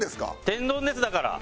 天丼ですだから。